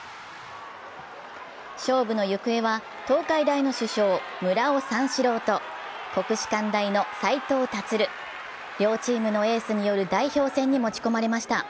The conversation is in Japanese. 勝負の行方は東海大の主将・村尾三四郎と国士舘大の斉藤立、両チームのエースによる代表戦に持ち込まれました。